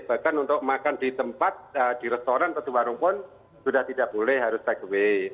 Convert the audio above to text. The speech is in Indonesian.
bahkan untuk makan di tempat di restoran atau di warung pun sudah tidak boleh harus take away